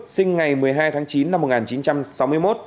sinh ngày một mươi hai tháng chín năm một nghìn chín trăm sáu mươi một